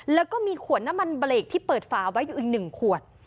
แล้วก็มีขวดน้ำมันเบรกที่เปิดฝาไว้อยู่อีก๑ขวด